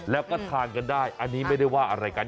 แล้วก็ทานกันได้อันนี้ไม่ได้ว่าอะไรกัน